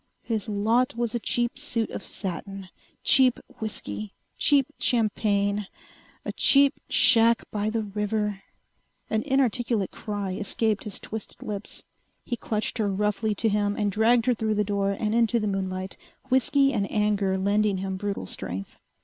His lot was a cheap suit of satin! Cheap whiskey! Cheap champagne! A cheap shack by the river.... An inarticulate cry escaped his twisted lips. He clutched her roughly to him and dragged her through the door and into the moonlight, whiskey and anger lending him brutal strength.